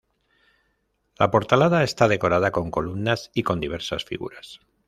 La portalada está decorada con columnas y con diversas figuras.